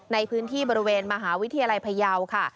ในพื้นที่บริเวณมหาวิทยาลัยพยาวค่ะ